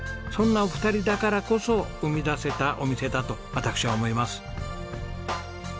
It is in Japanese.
そんなお二人だからこそ生み出せたお店だと私は思います。